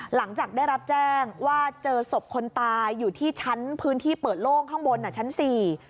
หลังจากได้รับแจ้งว่าเจอศพคนตายอยู่ที่ชั้นพื้นที่เปิดโล่งข้างบนอ่ะชั้นสี่